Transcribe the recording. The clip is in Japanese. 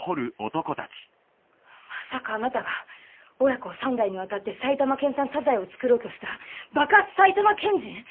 まさかあなたが親子三代にわたって埼玉県産サザエをつくろうとしたバカ埼玉県人？